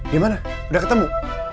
gimana udah ketemu